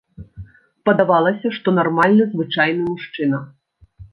Падавалася, што нармальны звычайны мужчына.